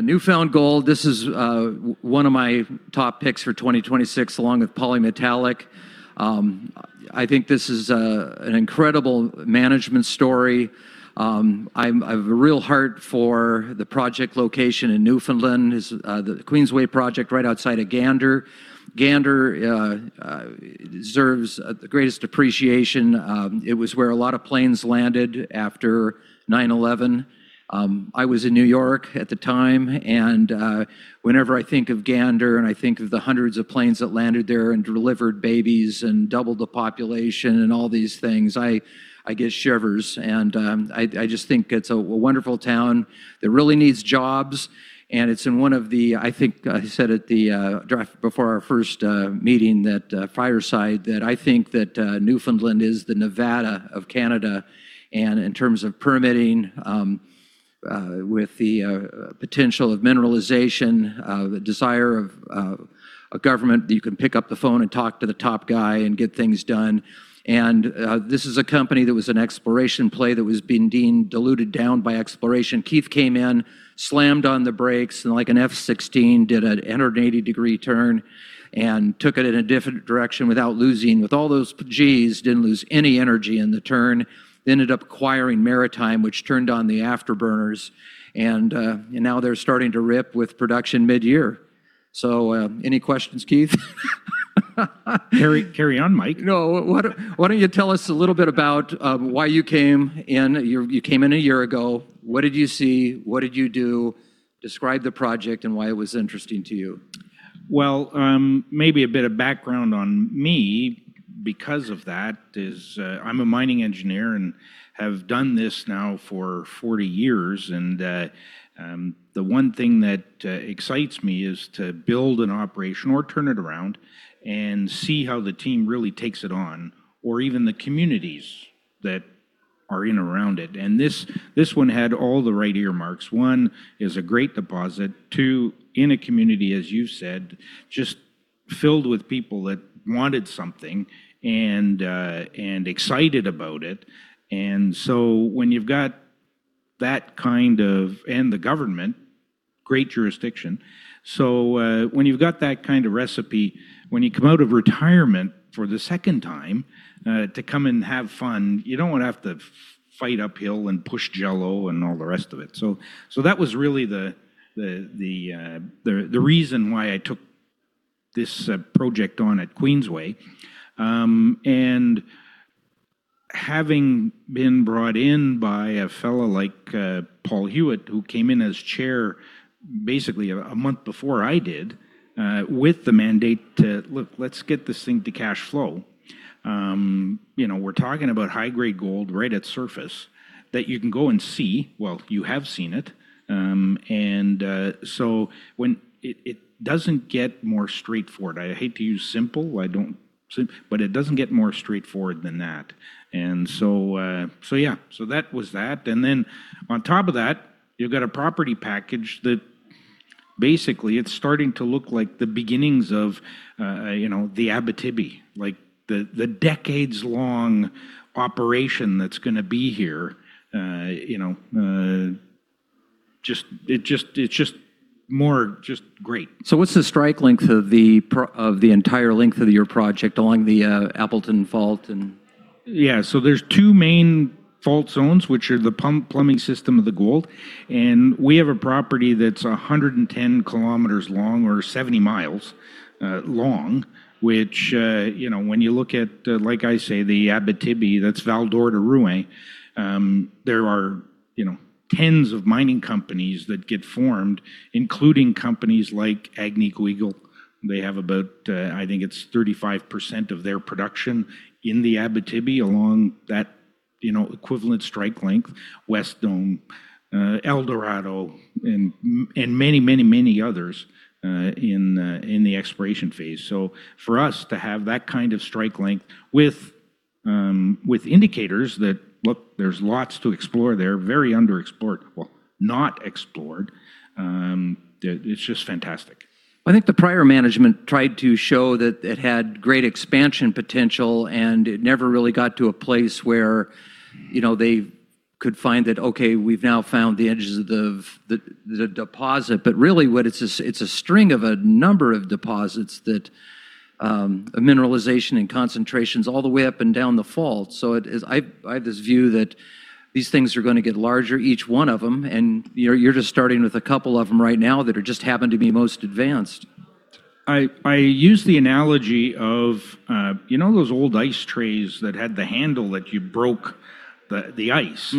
New Found Gold, this is one of my top picks for 2026, along with Polymetal. I think this is an incredible management story. I have a real heart for the project location in Newfoundland, the Queensway Project right outside of Gander. Gander deserves the greatest appreciation. It was where a lot of planes landed after 9/11. I was in New York at the time. Whenever I think of Gander and I think of the hundreds of planes that landed there and delivered babies and doubled the population and all these things, I get shivers. I just think it's a wonderful town that really needs jobs. I think I said it before our first meeting, that fireside, that I think that Newfoundland is the Nevada of Canada. In terms of permitting, with the potential of mineralization, the desire of a government that you can pick up the phone and talk to the top guy and get things done. This is a company that was an exploration play that was being deemed diluted down by exploration. Keith came in, slammed on the brakes, and like an F-16, did a 180-degree turn and took it in a different direction without losing, with all those Gs, didn't lose any energy in the turn. Ended up acquiring Maritime, which turned on the afterburners. Now they're starting to rip with production mid-year. Any questions, Keith? Carry on, Mike. Why don't you tell us a little bit about why you came in. You came in a year ago. What did you see? What did you do? Describe the project and why it was interesting to you. Maybe a bit of background on me because of that is I'm a mining engineer and have done this now for 40 years. The one thing that excites me is to build an operation or turn it around and see how the team really takes it on. Even the communities that are in around it. This one had all the right earmarks. One, is a great deposit. Two, in a community, as you said, just filled with people that wanted something and excited about it. The government, great jurisdiction. When you've got that kind of recipe, when you come out of retirement for the second time to come and have fun, you don't want to have to fight uphill and push Jell-O and all the rest of it. That was really the reason why I took this project on at Queensway. Having been brought in by a fellow like Paul Huet, who came in as chair basically a month before I did, with the mandate to, "Look, let's get this thing to cash flow." We're talking about high-grade gold right at surface that you can go and see. You have seen it. It doesn't get more straightforward. I hate to use simple. It doesn't get more straightforward than that. That was that. On top of that, you've got a property package that basically it's starting to look like the beginnings of the Abitibi, the decades-long operation that's going to be here. It's just more great. What's the strike length of the entire length of your project along the Appleton Fault? There's two main fault zones, which are the plumbing system of the gold, and we have a property that's 110 km long or 70 mi long, which when you look at, like I say, the Abitibi, that's Val-d'Or to Rouyn. There are tens of mining companies that get formed, including companies like Agnico Eagle. They have about, I think it's 35% of their production in the Abitibi along that equivalent strike length, Wesdome, Eldorado, and many others in the exploration phase. For us to have that kind of strike length with indicators that, look, there's lots to explore there, very underexplored. Not explored. It's just fantastic. I think the prior management tried to show that it had great expansion potential, it never really got to a place where they could find that, okay, we've now found the edges of the deposit. Really, it's a string of a number of deposits that a mineralization and concentrations all the way up and down the fault. I have this view that these things are going to get larger, each one of them, and you're just starting with a couple of them right now that just happen to be most advanced. I use the analogy of, you know those old ice trays that had the handle that you broke the ice?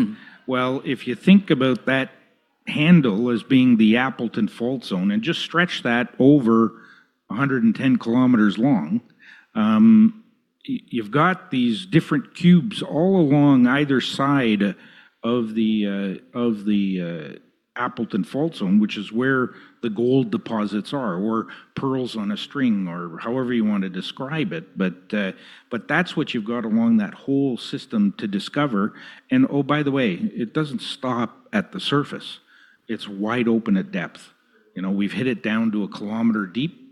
If you think about that handle as being the Appleton Fault Zone and just stretch that over 110 km long, you've got these different cubes all along either side of the Appleton Fault Zone, which is where the gold deposits are or pearls on a string, or however you want to describe it. That's what you've got along that whole system to discover, and oh, by the way, it doesn't stop at the surface. It's wide open at depth. We've hit it down to 1 km deep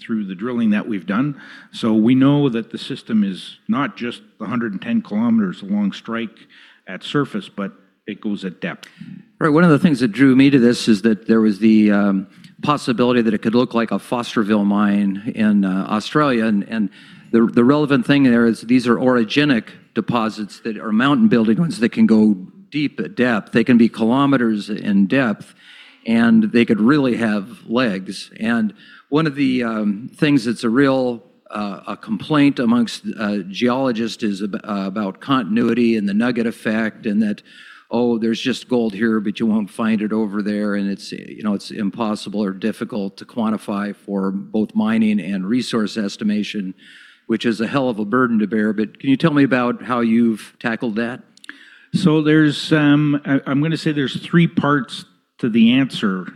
Through the drilling that we've done. We know that the system is not just 110 km long strike at surface, but it goes at depth. Right. One of the things that drew me to this is that there was the possibility that it could look like a Fosterville mine in Australia, the relevant thing there is these are orogenic deposits that are mountain-building ones that can go deep at depth. They can be kilometers in depth, and they could really have legs. One of the things that's a real complaint amongst geologists is about continuity and the nugget effect, and that, oh, there's just gold here, but you won't find it over there, and it's impossible or difficult to quantify for both mining and resource estimation, which is a hell of a burden to bear. Can you tell me about how you've tackled that? I'm going to say there's three parts to the answer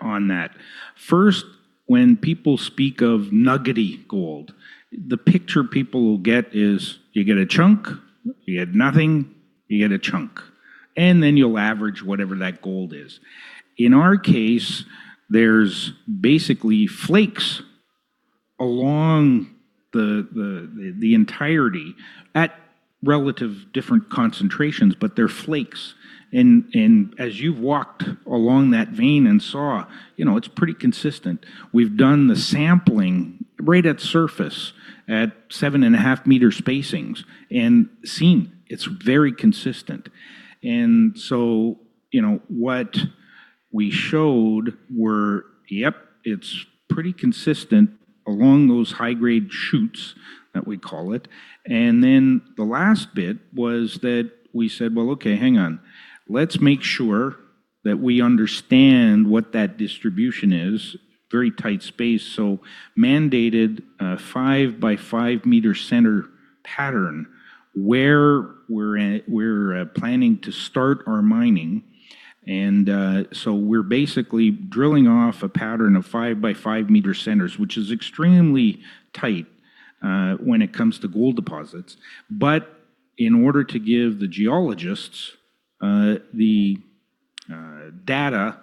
on that. First, when people speak of nuggety gold, the picture people will get is you get a chunk, you get nothing, you get a chunk, and then you'll average whatever that gold is. In our case, there's basically flakes along the entirety at relative different concentrations, but they're flakes. As you've walked along that vein and saw, it's pretty consistent. We've done the sampling right at surface at 7.5 m spacings and seen it's very consistent. What we showed were, yep, it's pretty consistent along those high-grade shoots that we call it. The last bit was that we said, "Well, okay, hang on. Let's make sure that we understand what that distribution is." Very tight space, mandated a 5 m-by-5 m center pattern where we're planning to start our mining. We're basically drilling off a pattern of 5m-by-5 m centers, which is extremely tight when it comes to gold deposits. In order to give the geologists the data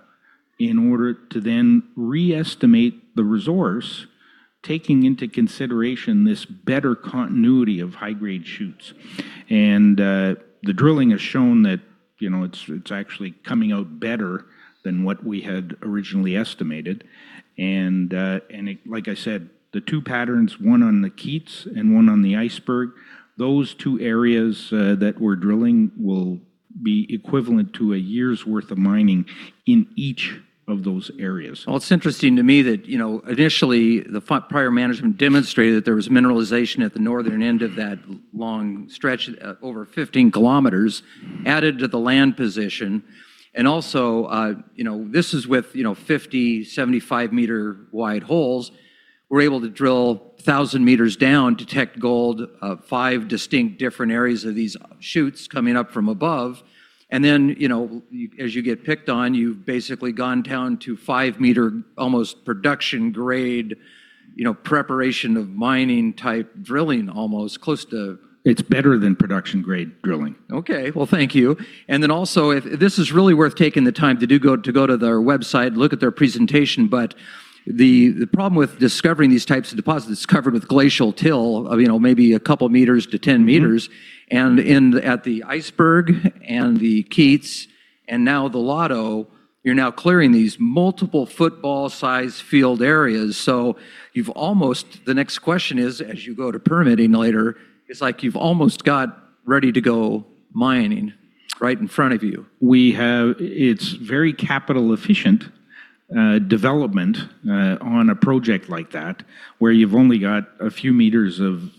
in order to then re-estimate the resource, taking into consideration this better continuity of high-grade shoots. The drilling has shown that it's actually coming out better than what we had originally estimated. Like I said, the two patterns, one on the Keats and one on the Iceberg, those two areas that we're drilling will be equivalent to a year's worth of mining in each of those areas. It's interesting to me that initially the prior management demonstrated that there was mineralization at the northern end of that long stretch over 15 km added to the land position. This is with 50 m, 75 m wide holes. We're able to drill 1,000 m down, detect gold, five distinct different areas of these shoots coming up from above. As you get picked on, you've basically gone down to 5 m almost production grade preparation of mining type drilling almost close to- It's better than production grade drilling. Well, thank you. This is really worth taking the time to go to their website, look at their presentation, but the problem with discovering these types of deposits, it's covered with glacial till of maybe a couple meters to 10 m. At the Iceberg and the Keats and now the Lotto, you're now clearing these multiple football-sized field areas. The next question is, as you go to permitting later, it's like you've almost got ready-to-go mining right in front of you. It's very capital efficient development on a project like that where you've only got a few meters of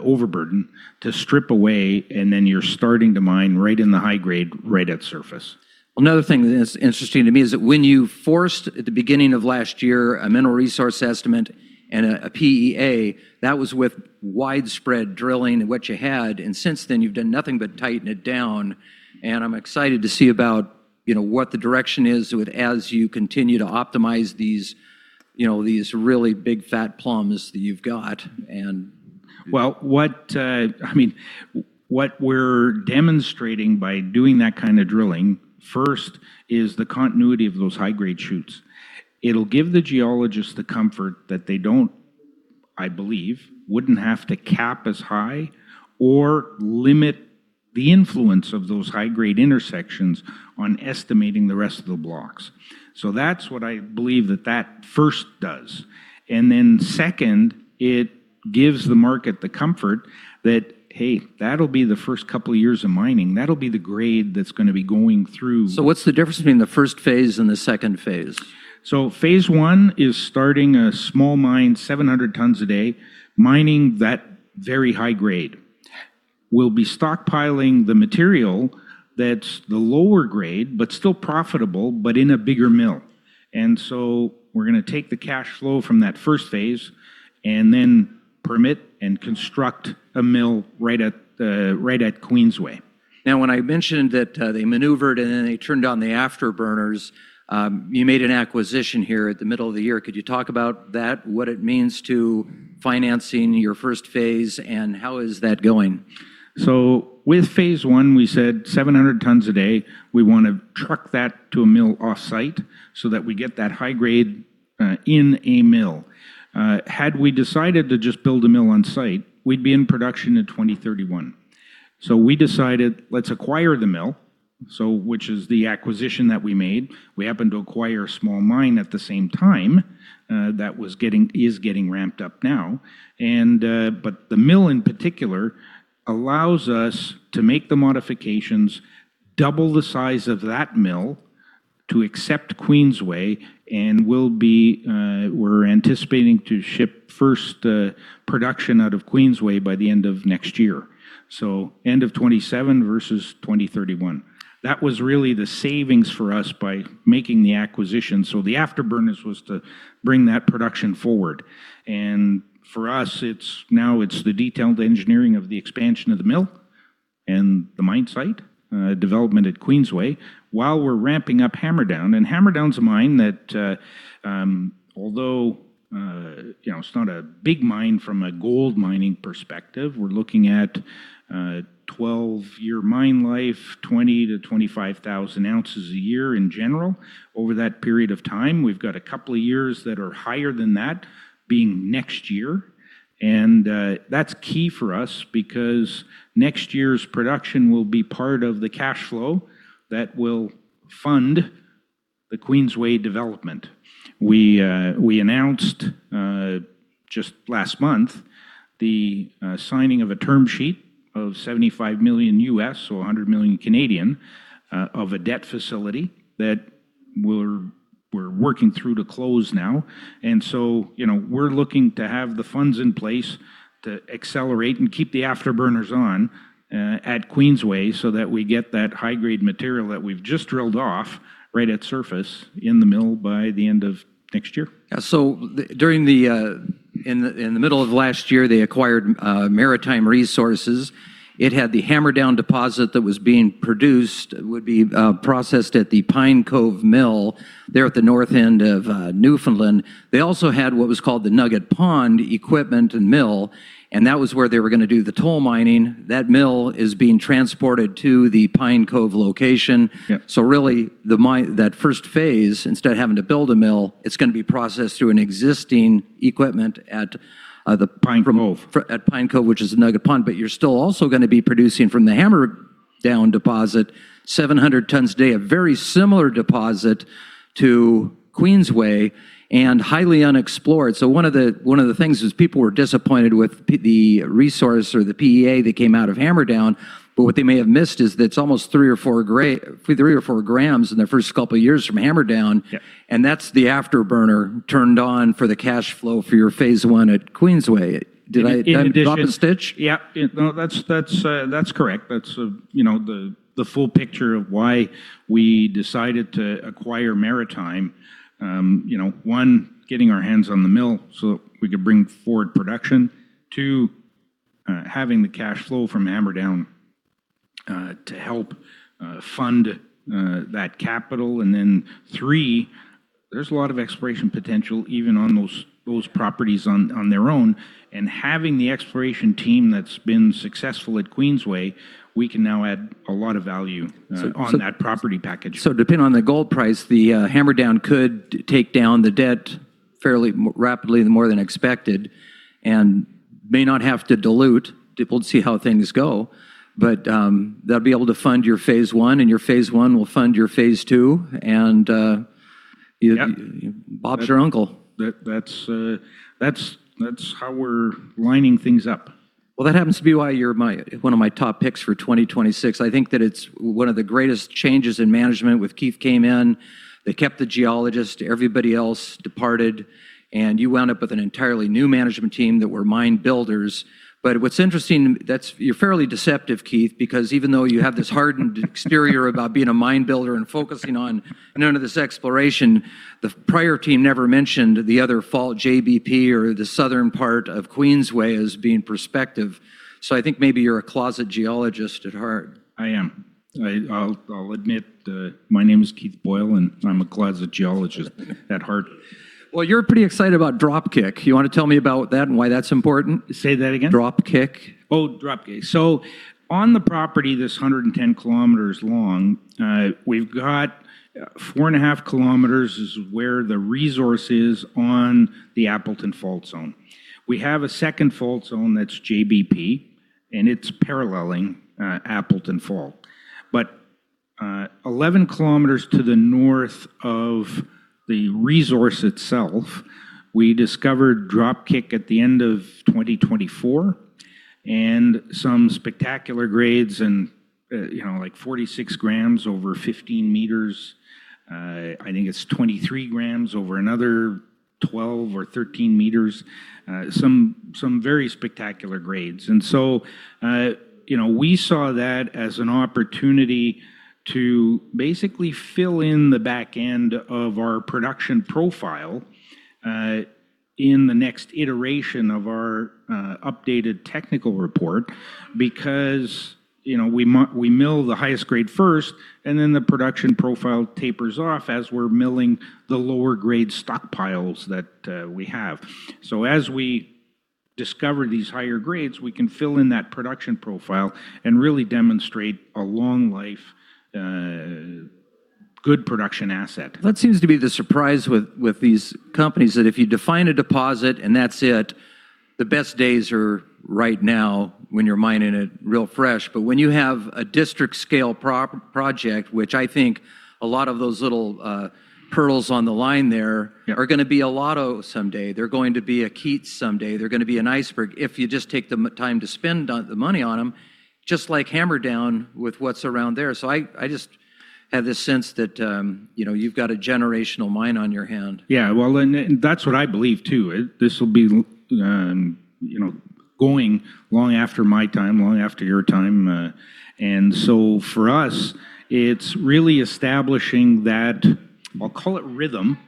overburden to strip away. Then you're starting to mine right in the high grade, right at surface. Another thing that's interesting to me is that when you forced, at the beginning of last year, a mineral resource estimate and a PEA, that was with widespread drilling and what you had. Since then you've done nothing but tighten it down. I'm excited to see about what the direction is as you continue to optimize these really big fat plums that you've got. What we're demonstrating by doing that kind of drilling, first is the continuity of those high-grade shoots. It'll give the geologists the comfort that they don't, I believe, wouldn't have to cap as high or limit the influence of those high-grade intersections on estimating the rest of the blocks. That's what I believe that that first does. Second, it gives the market the comfort that, hey, that'll be the first couple of years of mining. That'll be the grade that's going to be going through. What's the difference between the first phase and the second phase? Phase 1 is starting a small mine, 700 tons a day, mining that very high grade. We'll be stockpiling the material that's the lower grade, but still profitable, but in a bigger mill. We're going to take the cash flow from that first phase and then permit and construct a mill right at Queensway. Now when I mentioned that they maneuvered and then they turned on the afterburners, you made an acquisition here at the middle of the year. Could you talk about that, what it means to financing your first phase, and how is that going? With phase 1, we said 700 tons a day. We want to truck that to a mill offsite so that we get that high grade in a mill. Had we decided to just build a mill on site, we'd be in production in 2031. We decided, let's acquire the mill, which is the acquisition that we made. We happened to acquire a small mine at the same time that is getting ramped up now. But the mill in particular allows us to make the modifications, double the size of that mill to accept Queensway, and we're anticipating to ship first production out of Queensway by the end of next year. End of 2027 versus 2031. That was really the savings for us by making the acquisition. The afterburners was to bring that production forward. For us, now it's the detailed engineering of the expansion of the mill and the mine site development at Queensway while we're ramping up Hammerdown. Hammerdown's a mine that although it's not a big mine from a gold mining perspective, we're looking at 12-year mine life, 20,000 oz-25,000 oz a year in general over that period of time. We've got a couple of years that are higher than that being next year. That's key for us because next year's production will be part of the cash flow that will fund the Queensway development. We announced just last month the signing of a term sheet of $75 million, so 100 million, of a debt facility that we're working through to close now. We're looking to have the funds in place to accelerate and keep the afterburners on at Queensway so that we get that high-grade material that we've just drilled off right at surface in the mill by the end of next year. In the middle of last year, they acquired Maritime Resources. It had the Hammerdown deposit that was being produced, would be processed at the Pine Cove Mill there at the north end of Newfoundland. They also had what was called the Nugget Pond equipment and mill, and that was where they were going to do the toll milling. That mill is being transported to the Pine Cove location. Yep. Really that first phase, instead of having to build a mill, it's going to be processed through existing equipment at the- Pine Cove at Pine Cove, which is Nugget Pond. You're still also going to be producing from the Hammerdown deposit 700 tons a day, a very similar deposit to Queensway, and highly unexplored. One of the things is people were disappointed with the resource or the PEA that came out of Hammerdown, but what they may have missed is that it's almost three or four grams in the first couple of years from Hammerdown. Yeah. That's the afterburner turned on for the cash flow for your phase 1 at Queensway. Did I drop a stitch? Yeah. No, that's correct. That's the full picture of why we decided to acquire Maritime. One, getting our hands on the mill so that we could bring forward production. Two, having the cash flow from Hammerdown to help fund that capital. Three, there's a lot of exploration potential even on those properties on their own. Having the exploration team that's been successful at Queensway, we can now add a lot of value on that property package. Depending on the gold price, the Hammerdown could take down the debt fairly rapidly, more than expected, and may not have to dilute. We'll see how things go. That'll be able to fund your phase I, and your phase I will fund your phase II. Yep Bob's your uncle. That's how we're lining things up. That happens to be why you're one of my top picks for 2026. I think that it's one of the greatest changes in management with Keith came in, they kept the geologist, everybody else departed, and you wound up with an entirely new management team that were mine builders. What's interesting, you're fairly deceptive, Keith, because even though you have this hardened exterior about being a mine builder and focusing on none of this exploration, the prior team never mentioned the other fault, JBP, or the southern part of Queensway as being prospective. I think maybe you're a closet geologist at heart. I am. I'll admit. My name is Keith Boyle, I'm a closet geologist at heart. You're pretty excited about Dropkick. You want to tell me about that and why that's important? Say that again. Dropkick. Dropkick. On the property that's 110 km long, we've got four and a half km is where the resource is on the Appleton Fault Zone. We have a second fault zone that's JBP, it's paralleling Appleton Fault. 11 km to the north of the resource itself, we discovered Dropkick at the end of 2024 some spectacular grades like 46 grams over 15 m, I think it's 23 grams over another 12 or 13 m. Some very spectacular grades. We saw that as an opportunity to basically fill in the back end of our production profile in the next iteration of our updated technical report because we mill the highest grade first, then the production profile tapers off as we're milling the lower grade stockpiles that we have. As we discover these higher grades, we can fill in that production profile and really demonstrate a long life, good production asset. That seems to be the surprise with these companies, that if you define a deposit and that's it, the best days are right now when you're mining it real fresh. When you have a district-scale project, which I think a lot of those little pearls on the line there- Yeah. ...are going to be a Lotto someday. They're going to be a Keats someday, they're going to be an Iceberg if you just take the time to spend the money on them, just like Hammerdown with what's around there. I just have this sense that you've got a generational mine on your hand. Yeah. Well, that's what I believe, too. This will be going long after my time, long after your time. For us, it's really establishing that, I'll call it rhythm,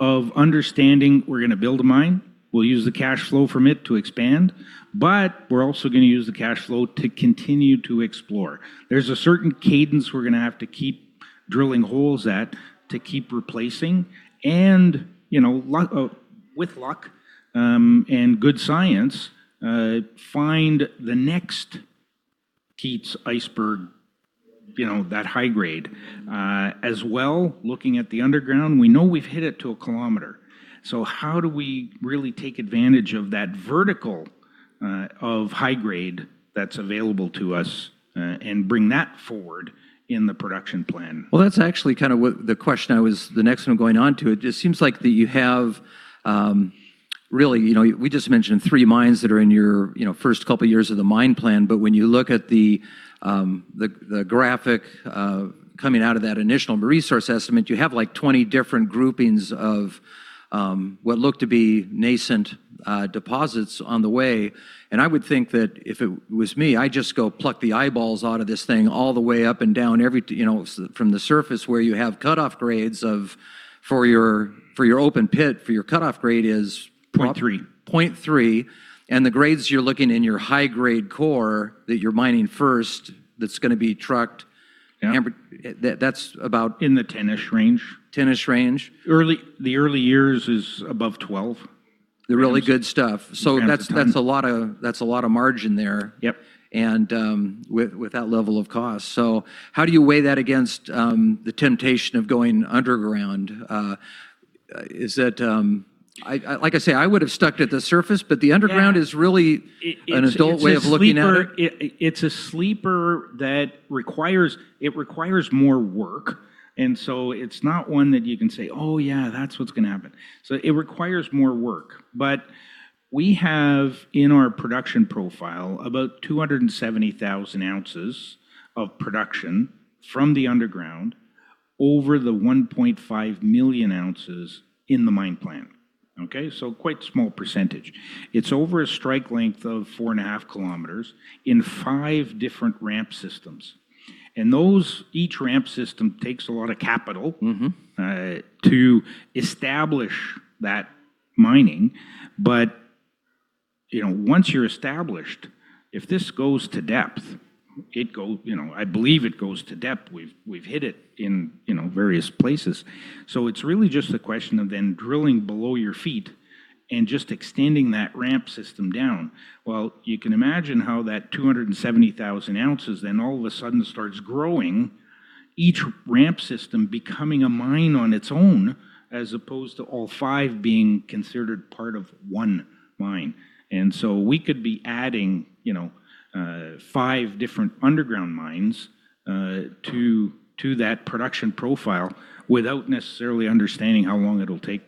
of understanding we're going to build a mine, we'll use the cash flow from it to expand, but we're also going to use the cash flow to continue to explore. There's a certain cadence we're going to have to keep drilling holes at to keep replacing and, with luck and good science, find the next Keats, Iceberg, that high grade. As well, looking at the underground, we know we've hit it to a 1 km, so how do we really take advantage of that vertical of high grade that's available to us, and bring that forward in the production plan? Well, that's actually kind of the next one I'm going on to. It just seems like that you have, really, we just mentioned three mines that are in your first couple of years of the mine plan, but when you look at the graphic coming out of that initial mineral resource estimate, you have 20 different groupings of what look to be nascent deposits on the way. I would think that if it was me, I'd just go pluck the eyeballs out of this thing all the way up and down, from the surface where you have cutoff grades for your open pit, for your cutoff grade is- 0.3. 0.3, the grades you're looking in your high-grade core that you're mining first, that's going to be trucked- Yeah that's about- In the ten-ish range. Ten-ish range. The early years is above 12. The really good stuff. That's a lot of margin there. Yep With that level of cost. How do you weigh that against the temptation of going underground? Like I say, I would've stuck to the surface, the underground is really an adult way of looking at it. It's a sleeper that requires more work. It's not one that you can say, "Oh yeah, that's what's going to happen." It requires more work. We have in our production profile about 270,000 oz of production from the underground over the 1.5 million ounces in the mine plan. Okay? Quite small percentage. It's over a strike length of 4.5 km in five different ramp systems. Each ramp system takes a lot of capital- to establish that mining. Once you're established, if this goes to depth, I believe it goes to depth, we've hit it in various places. It's really just a question of then drilling below your feet and just extending that ramp system down. Well, you can imagine how that 270,000 oz then all of a sudden starts growing, each ramp system becoming a mine on its own, as opposed to all five being considered part of one mine. We could be adding five different underground mines to that production profile without necessarily understanding how long it'll take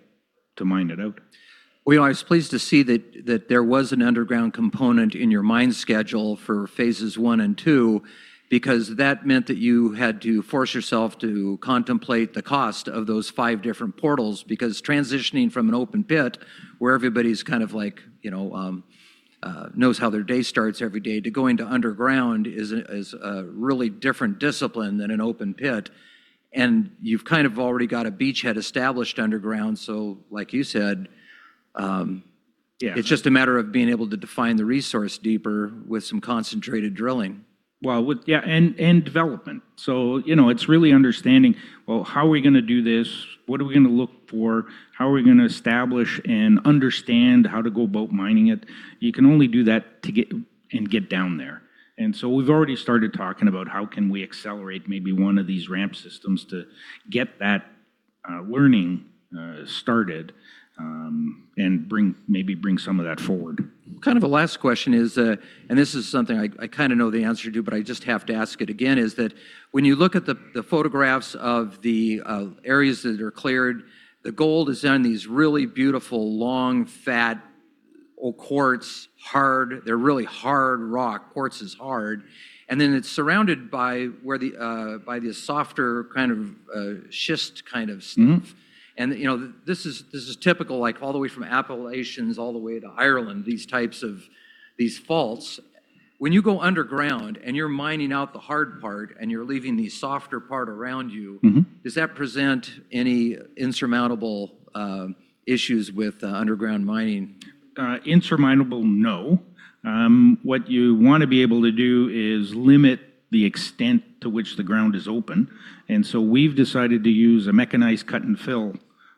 to mine it out. Well, I was pleased to see that there was an underground component in your mine schedule for phases one and two, because that meant that you had to force yourself to contemplate the cost of those five different portals, because transitioning from an open pit where everybody knows how their day starts every day, to going to underground is a really different discipline than an open pit, and you've kind of already got a beachhead established underground, like you said- Yeah it's just a matter of being able to define the resource deeper with some concentrated drilling. Yeah, and development. It's really understanding, well, how are we going to do this? What are we going to look for? How are we going to establish and understand how to go about mining it? You can only do that and get down there. We've already started talking about how can we accelerate maybe one of these ramp systems to get that learning started, and maybe bring some of that forward. Kind of a last question is, this is something I kind of know the answer to, I just have to ask it again, is that when you look at the photographs of the areas that are cleared, the gold is in these really beautiful, long, fat, old quartz. They're really hard rock. Quartz is hard. It's surrounded by the softer kind of schist kind of stuff. This is typical all the way from Appalachians all the way to Ireland, these types of faults. When you go underground and you're mining out the hard part and you're leaving the softer part around you. Does that present any insurmountable issues with underground mining? Insurmountable, no. What you want to be able to do is limit the extent to which the ground is open. We've decided to use a mechanized cut-and-fill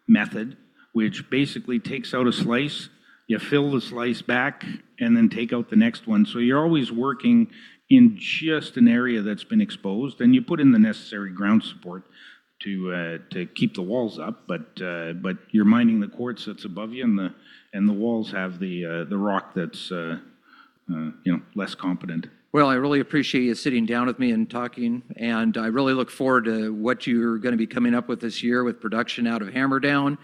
method, which basically takes out a slice, you fill the slice back, and then take out the next one. You're always working in just an area that's been exposed, and you put in the necessary ground support to keep the walls up. You're mining the quartz that's above you, and the walls have the rock that's less competent. Well, I really appreciate you sitting down with me and talking, and I really look forward to what you're going to be coming up with this year with production out of Hammerdown.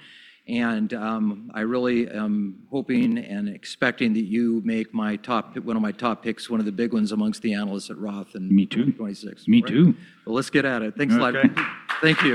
I really am hoping and expecting that you make one of my top picks, one of the big ones amongst the analysts at Roth in 2026. Me too. Me too. Well, let's get at it. Thanks a lot. Okay. Thank you